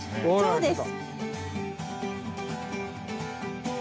そうです。